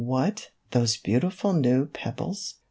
" What, those beautiful new pebbles